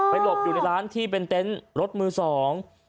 หลบอยู่ในร้านที่เป็นเต็นต์รถมือสอง